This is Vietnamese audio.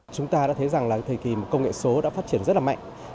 chúng ta đã thấy rằng là thời kỳ mà công nghệ số đã phát triển rất là mạnh